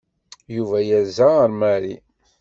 Yuba yerza ar Mary.